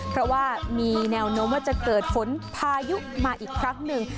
เพราะว่ามีแนวโน้มว่าจะเกิดฝนพายุมาอีกครั้งหนึ่ง